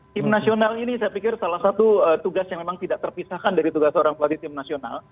tim nasional ini saya pikir salah satu tugas yang memang tidak terpisahkan dari tugas seorang pelatih tim nasional